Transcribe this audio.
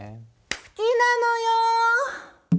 好きなのよ。